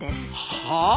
はあ？